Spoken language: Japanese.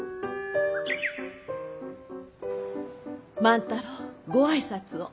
万太郎ご挨拶を。